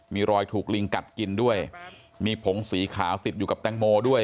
มีรอยถูกลิงกัดกินด้วยมีผงสีขาวติดอยู่กับแตงโมด้วย